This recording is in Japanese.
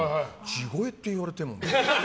地声って言われてもって。